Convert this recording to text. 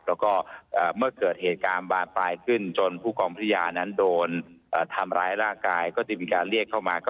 แล้วก็เมื่อเกิดเหตุการณ์บานปลายขึ้นจนผู้กองพัทยานั้นโดนทำร้ายร่างกายก็จะมีการเรียกเข้ามา